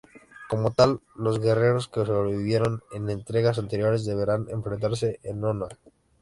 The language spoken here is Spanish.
Como tal, los guerreros que sobrevivieron en entregas anteriores deberán enfrentarse a Onaga.